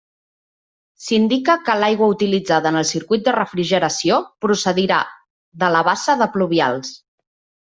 S'indica que l'aigua utilitzada en el circuit de refrigeració procedirà de la bassa de pluvials.